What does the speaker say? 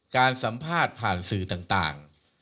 การสัมภาษณ์ผ่านสื่อต่าง